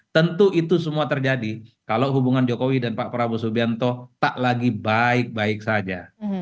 tentu itu semua terjadi kalau hubungan jokowi dan pak prabowo subianto tak lagi baik baik saja